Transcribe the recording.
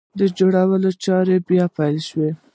د جوړولو چارې بیا پیل شوې!